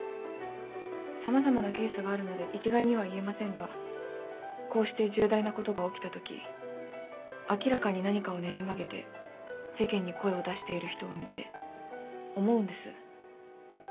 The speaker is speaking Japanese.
さまざまなケースがあるので一概には言えませんがこうして重大なことが起きた時明らかに何かをねじ曲げて世間に声を出している人を見て思うんです。